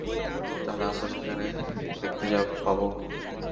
তাহলে আমরা সেখানে দেখতে পাব?